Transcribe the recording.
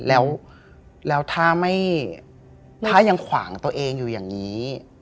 แล้วถ้ายังขวางตัวเองอยู่อย่างนี้